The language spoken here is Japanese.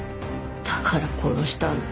だから殺したの。